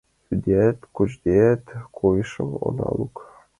Йӱдеат-кочдеат, койышым она лук.